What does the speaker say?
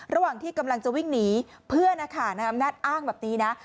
ระหว่างที่กำลังจะวิ่งหนีเพื่อนนะคะนายอำนาจอ้างแบบนี้นะ